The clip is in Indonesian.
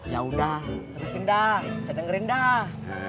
ya udah habis indah saya dengerin dah